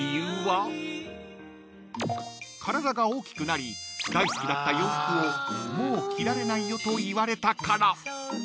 ［体が大きくなり大好きだった洋服をもう着られないよと言われたから］